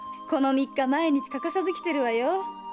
この三日毎日欠かさず来てるわよ。